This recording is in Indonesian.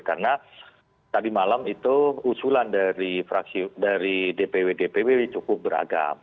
karena tadi malam itu usulan dari dpw dpw cukup beragam